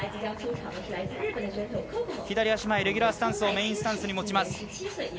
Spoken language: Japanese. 左足前のレギュラースタンスをメインスタンスに持ちます。